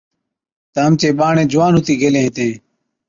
تہ اَمچين ٻاڙين جوان ھُتِي گيلين ھِتين